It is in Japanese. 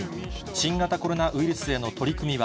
新型コロナウイルスへの取り組みは。